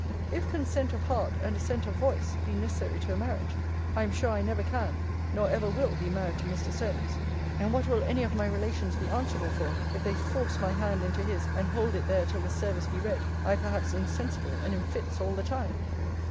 If consent of heart, and assent of voice, be necessary to a marriage, I am sure I never can, nor ever will, be married to Mr. Solmes. And what will any of my relations be answerable for, if they force my hand into his, and hold it there till the service be read; I perhaps insensible, and in fits, all the time!